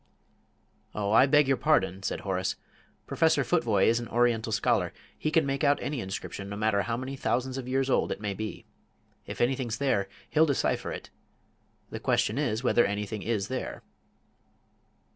"Oh, I beg your pardon," said Horace; "Professor Futvoye is an Oriental scholar; he can make out any inscription, no matter how many thousands of years old it may be. If anything's there, he'll decipher it. The question is whether anything is there."